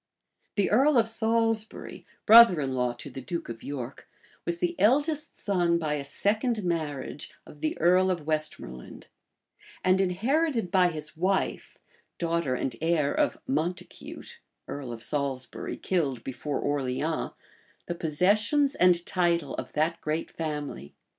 The earl of Salisbury, brother in law to the duke of York, was the eldest son by a second marriage of the earl of Westmoreland; and inherited by his wife, daughter and heir of Montacute, earl of Salisbury, killed before Orleans, the possessions and title of that great family.